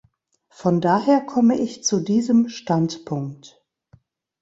Von daher komme ich zu diesem Standpunkt.